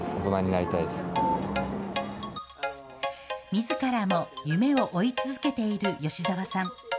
自らも夢を追い続けている吉澤さん。